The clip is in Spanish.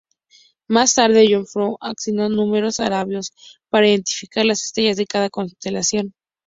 Más tarde, John Flamsteed asignó números arábigos para identificar las estrellas de cada constelación.